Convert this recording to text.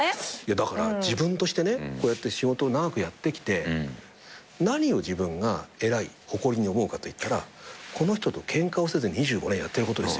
だから自分としてねこうやって仕事長くやってきて何を自分が偉い誇りに思うかといったらこの人とケンカをせず２５年やってることですよ。